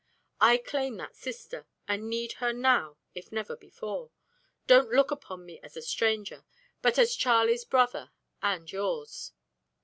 I claim that sister, and need her now if never before. Don't look upon me as a stranger, but as Charlie's brother, and yours."